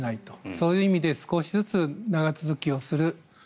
そういう意味で少しずつ長続きをする。